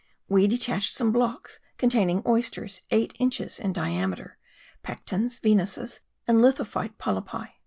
We detached some blocks containing oysters eight inches in diameter, pectens, venuses, and lithophyte polypi.